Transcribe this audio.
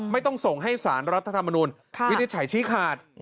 ไม่ต้องส่งให้สารรัฐธรรมนุนวินิจฉัยชี้ขาด